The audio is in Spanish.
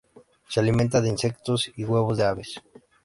Se alimenta de insectos y huevos de aves.